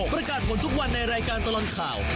ประกาศผลทุกวันในรายการตลอดข่าว